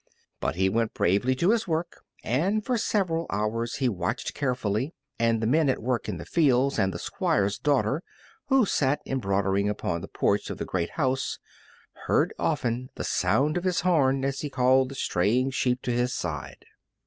But he went bravely to his work, and for several hours he watched carefully; and the men at work in the fields, and the Squire's daughter, who sat embroidering upon the porch of the great house, heard often the sound of his horn as he called the straying sheep to his side.